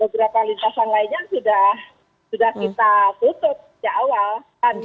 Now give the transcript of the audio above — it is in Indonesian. beberapa lintasan lainnya sudah kita tutup sejak awal